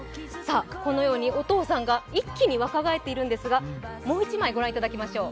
このようにお父さんが一気に若返っているんですが、もう１枚ご覧いただきましょう。